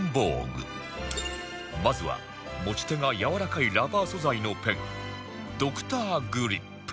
まずは持ち手がやわらかいラバー素材のペンドクターグリップ